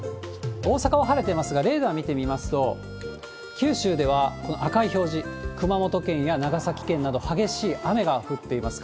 大阪は晴れてますが、レーダー見てみますと、九州ではこの赤い表示、熊本県や長崎県など、激しい雨が降っています。